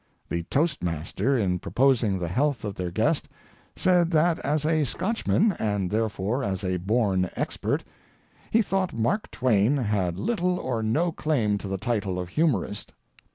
The toastmaster, in proposing the health of their guest, said that as a Scotchman, and therefore as a born expert, he thought Mark Twain had little or no claim to the title of humorist.